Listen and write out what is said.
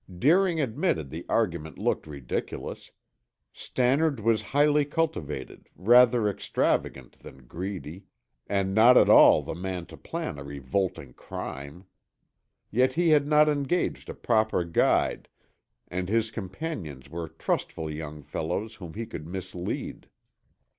Deering admitted the argument looked ridiculous; Stannard was highly cultivated, rather extravagant than greedy, and not at all the man to plan a revolting crime. Yet he had not engaged a proper guide and his companions were trustful young fellows whom he could mislead.